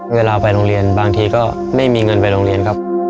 เวลาไปโรงเรียนบางทีก็ไม่มีเงินไปโรงเรียนครับ